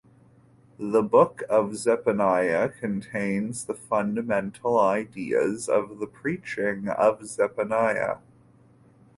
The Book of Zephaniah contains the fundamental ideas of the preaching of Zephaniah.